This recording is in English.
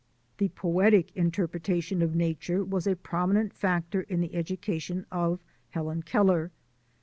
The poetic interpretation of nature was a promi nent factor in the education of Helen Keller.